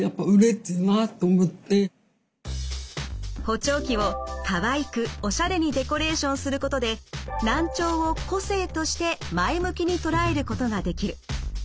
補聴器をかわいくおしゃれにデコレーションすることで難聴を個性として前向きに捉えることができる。